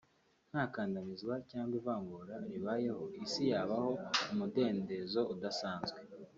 nta kandamizwa cyangwa ivangura ribayeho Isi yabaho mu mudendezo udasanzwe